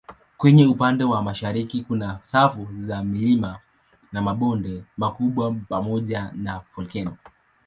Kwenye upande wa mashariki kuna safu za milima na mabonde makubwa pamoja na volkeno.